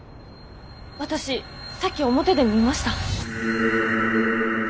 私さっき表で見ました。